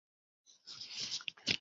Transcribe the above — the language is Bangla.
এসব কেন বলছেন?